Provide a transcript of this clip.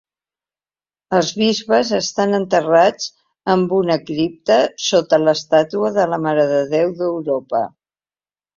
Els bisbes estan enterrats en una cripta sota l'estàtua de la Mare de Déu d'Europa.